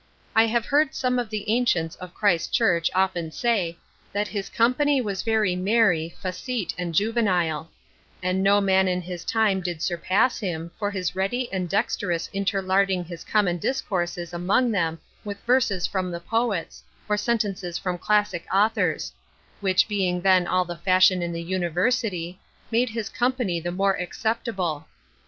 I have heard some of the ancients of Christ Church often say, that his company was very merry, facete, and juvenile; and no man in his time did surpass him for his ready and dexterous interlarding his common discourses among them with verses from the poets, or sentences from classic authors; which being then all the fashion in the University, made his company the more acceptable.